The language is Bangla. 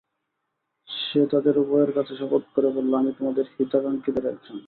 সে তাদের উভয়ের কাছে শপথ করে বলল, আমি তোমাদের হিতাকাঙক্ষীদের একজন।